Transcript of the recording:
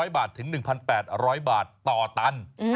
๐บาทถึง๑๘๐๐บาทต่อตัน